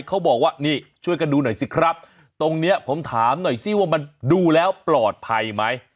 เขาบอกว่านี่ช่วยกันดูหน่อยสิครับตรงเนี้ยผมถามหน่อยสิว่ามันดูแล้วปลอดภัยไหม